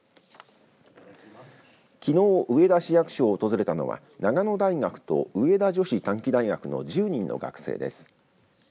きのう上田市役所を訪れたのは長野大学と上田女子短期大学の１０人の学生です。